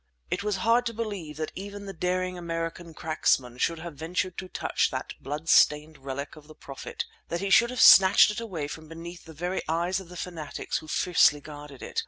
It was hard to believe that even the daring American cracksman should have ventured to touch that blood stained relic of the Prophet, that he should have snatched it away from beneath the very eyes of the fanatics who fiercely guarded it.